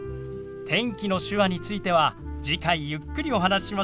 天気の手話については次回ゆっくりお話ししましょう。